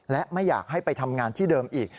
และไม่อยากให้ไปทำงานที่เดิมอีก